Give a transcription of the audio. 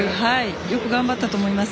よく頑張ったと思います。